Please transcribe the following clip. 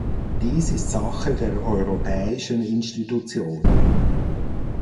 Dies ist Sache der europäischen Institutionen.